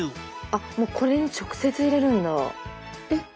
あもうこれに直接入れるんだ。